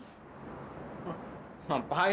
kayaknya ada yang lagi patah hati nih